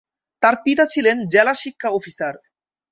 তার পিতা ছিলেন জেলা শিক্ষা অফিসার।